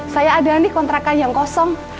saya ada nih kontrakan yang kosong